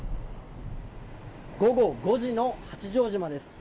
午後５時の八丈島です。